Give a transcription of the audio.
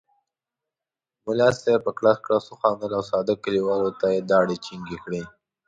ملا صاحب په کړس کړس وخندل او ساده کلیوال ته یې داړې جینګې کړې.